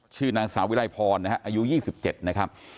ชื่อนางสาววิรัยพรนะฮะอายุ๒๗นะครับ